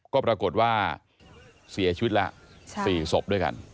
ก็ปรากฏว่าเสียชีวิตละ๔ศพด้วยกัน